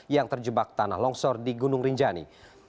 yang terjebak tanah longsor di gunung rinjani